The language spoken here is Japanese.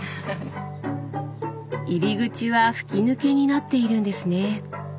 入り口は吹き抜けになっているんですね。